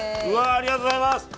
ありがとうございます！